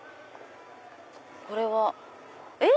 これはえっ？